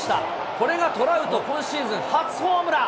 これがトラウト今シーズン初ホームラン。